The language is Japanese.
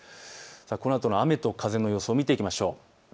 このあとの雨と風の予想を見ていきましょう。